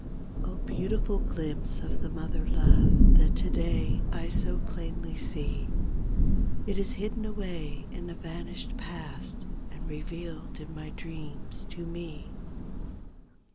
Oh, beautiful glimpse of the mother love That today I so plainly see; It is hidden away in the vanished past And revealed in my dreams to me.